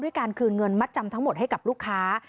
การคืนเงินมัดจำทั้งหมดให้กับลูกค้า